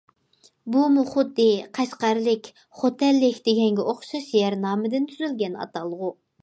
بۇمۇ خۇددى« قەشقەرلىك»،« خوتەنلىك» دېگەنگە ئوخشاش يەر نامىدىن تۈزۈلگەن ئاتالغۇ.